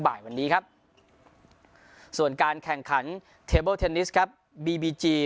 บ่ายวันนี้ครับส่วนการแข่งขันเทเบิลเทนนิสครับบีบีจี